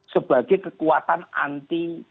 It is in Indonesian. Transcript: sebagai kekuatan anti